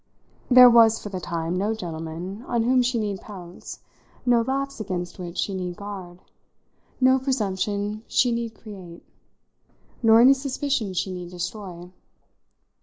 There was for the time no gentleman on whom she need pounce, no lapse against which she need guard, no presumption she need create, nor any suspicion she need destroy.